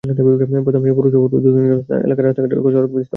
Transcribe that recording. প্রথম শ্রেণির পৌরসভা হলেও অধিকাংশ এলাকার রাস্তাঘাটে সড়কবাতি স্থাপন করা হয়নি।